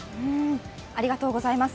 ありがとうございます。